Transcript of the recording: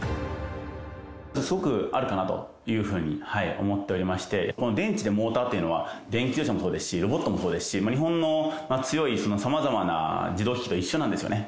すごくあるかなというふうに思っておりまして、電池とモーターっていうのは電気自動車もそうですし、ロボットもそうですし、日本の強いさまざまな自動機器と一緒なんですよね。